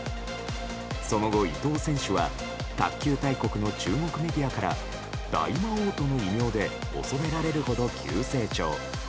その後、伊藤選手は卓球大国の中国メディアから大魔王との異名で恐れられるほど急成長。